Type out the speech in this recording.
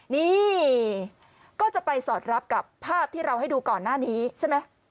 นี่ก็จะไปสอดรับกับภาพที่เราให้ดูก่อนหน้านี้ใช่ไหม